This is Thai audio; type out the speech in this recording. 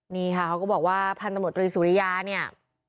นี่ค่ะเขาก็บอกว่าพันธมตรีสุริยาเนี่ย